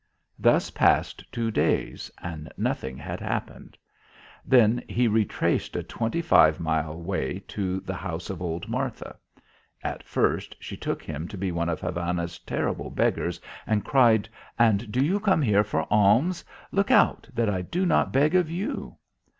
Thus passed two days, and nothing had happened. Then he retraced a twenty five mile way to the house of old Martha. At first she took him to be one of Havana's terrible beggars and cried, "And do you come here for alms? Look out, that I do not beg of you."